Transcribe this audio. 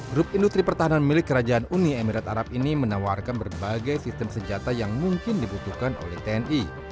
grup industri pertahanan milik kerajaan uni emirat arab ini menawarkan berbagai sistem senjata yang mungkin dibutuhkan oleh tni